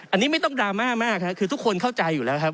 อันนี้ไม่ต้องดราม่ามากครับคือทุกคนเข้าใจอยู่แล้วครับ